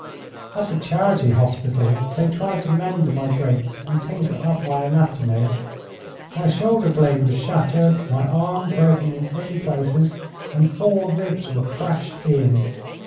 At a charity hospital they tried to mend my breaks and tinker up my anatomy. My shoulder blade was shattered, my arm broken in three places, and four ribs were crashed in.